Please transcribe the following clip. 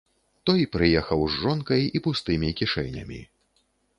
Той прыехаў з жонкай і пустымі кішэнямі.